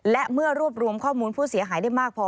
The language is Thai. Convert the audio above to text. และเมื่อรวบรวมข้อมูลผู้เสียหายได้มากพอ